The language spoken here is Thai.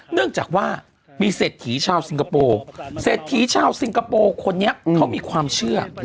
เนื่องจากว่ามีเศรษฐีชาวสิงคโปร์เศรษฐีชาวสิงคโปร์คนนี้เขามีความเชื่อ